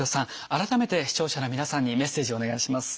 改めて視聴者の皆さんにメッセージお願いします。